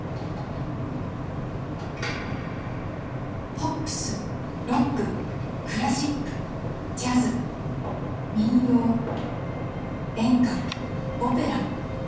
ポップスロッククラシックジャズ民謡演歌オペラ